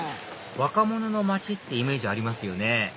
若者の街ってイメージありますよね